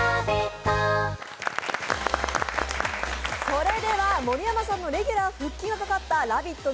それでは盛山さんの復帰がかかったラヴィット！